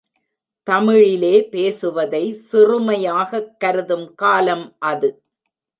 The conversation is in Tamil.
தமிழிலே பேசுவதை சிறுமையாகக் கருதும் காலம் அது.